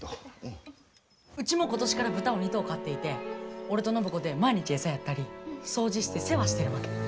うちも今年から豚を２頭飼っていて俺と暢子で毎日餌やったり掃除して世話してるわけ。